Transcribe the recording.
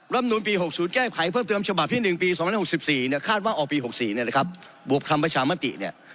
รับนูลปี๖๐แก้ไขเพิ่มเติมฉบับที่๑ปี๒๖๔คาดว่าออกปี๖๔บวกคำประชามติ